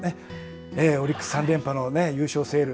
オリックス３連覇の優勝セール。